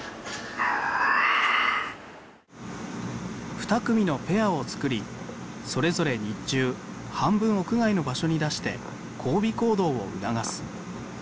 ２組のペアを作りそれぞれ日中半分屋外の場所に出して交尾行動を促す。